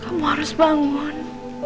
kamu harus bangun